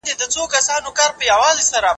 په ټیکنالوژۍ سره ناروغ ژر تشخیص کېږي.